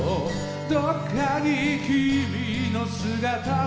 どっかに君の姿を」